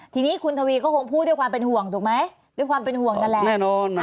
ทีนี้คุณทวีก็หงพูดเพราะความเป็นห่วงถูกไหม